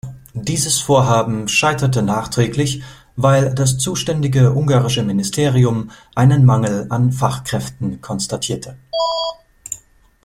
Dieses Vorhaben scheiterte nachträglich, weil das zuständige ungarische Ministerium einen Mangel an Fachkräften konstatierte.